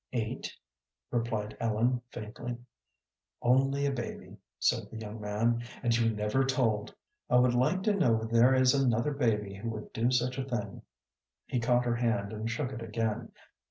"Eight," replied Ellen, faintly. "Only a baby," said the young man, "and you never told! I would like to know where there is another baby who would do such a thing." He caught her hand and shook it again.